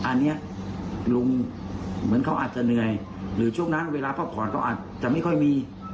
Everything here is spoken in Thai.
อันนี้ลุงเหมือนเขาอาจจะเหนื่อยหรือช่วงนั้นเวลาพักผ่อนเขาอาจจะไม่ค่อยมี